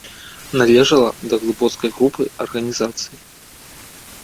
Належала да глыбоцкай групы арганізацыі.